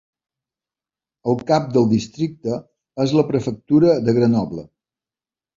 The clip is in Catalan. El cap del districte és la prefectura de Grenoble.